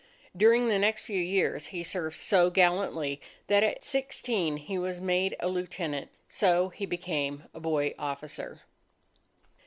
During the next few years he served so gallantly, that at sixteen he was made a lieutenant. So he became a boy officer.